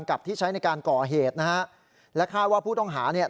กับที่ใช้ในการก่อเหตุนะฮะและคาดว่าผู้ต้องหาเนี่ย